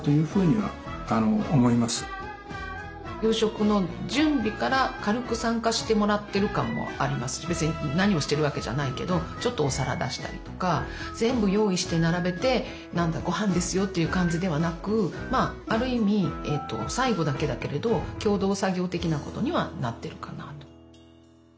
夕食の準備から軽く参加してもらってる感もありますし別に何をしてるわけじゃないけどちょっとお皿出したりとか全部用意して並べて「ごはんですよ」っていう感じではなくある意味最後だけだけれど共同作業的なことにはなってるかなと。